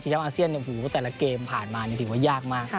แล้วอาเซียนแต่ละเกมผ่านมาถือว่ายากมาก